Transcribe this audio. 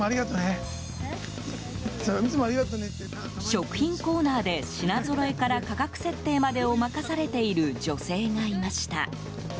食品コーナーで品ぞろえから価格設定までを任されている女性がいました。